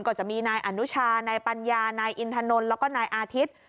ก็จะมีนายอนุชานายปัญญานายอินถนนแล้วก็นายอาทิตย์